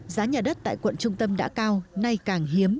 giá nhà đất tại quận trung tâm đã cao nay càng hiếm